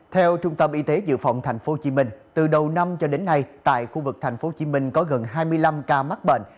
theo trung tâm y tế dự phòng tp hcm từ đầu năm cho đến nay tại khu vực tp hcm có gần hai mươi năm ca mắc bệnh